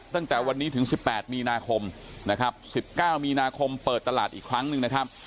ตั้งแต่วันนี้ถึง๑๘มีนาคมนะครับ๑๙มีนาคมเปิดตลาดอีกครั้งหนึ่งนะครับ